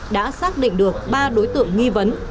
đã xác định được ba đối tượng nghi vấn